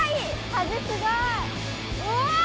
風すごい！こわい！